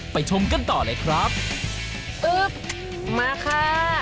ไปชมกันต่อเลยครับมาค่ะ